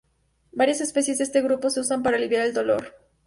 Varias especies de este grupo se usan para aliviar dolor.